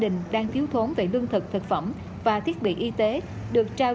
nhiều đến vậy mà